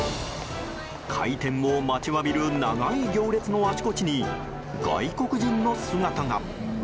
開店を待ちわびる長い行列のあちこちに外国人の姿が。